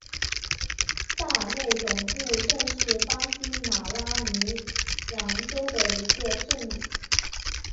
萨尔内总统镇是巴西马拉尼昂州的一个市镇。